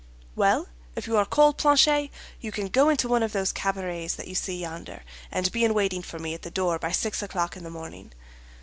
"Well, if you are cold, Planchet, you can go into one of those cabarets that you see yonder, and be in waiting for me at the door by six o'clock in the morning."